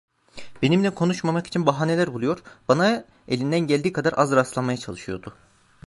Benimle konuşmamak için bahaneler buluyor, bana elinden geldiği kadar az rastlamaya çalışıyordu.